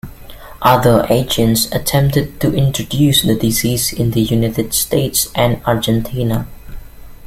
Other agents attempted to introduce the disease in the United States and Argentina.